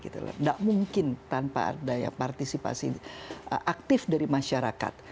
tidak mungkin tanpa ada partisipasi aktif dari masyarakat